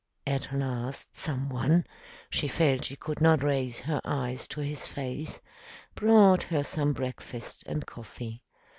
At last, someone she felt she could not raise her eyes to his face brought her some breakfast and coffee.